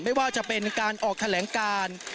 ไม่ว่าจะเป็นการออกแถลงการ